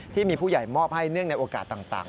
ที่มีผู้ใหญ่มอบให้เนื่องในโอกาสต่าง